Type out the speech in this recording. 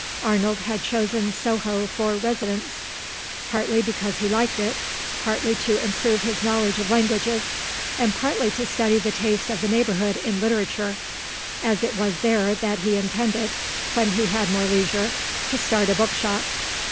Arnold had chosen Soho for residence partly because he liked it, partly to improve his knowledge of languages, and partly to study the taste of the neighbourhood in literature, as it was there that he intended, when he had more leisure, to start a bookshop.